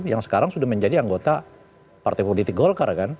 yang sekarang sudah menjadi anggota partai politik golkar kan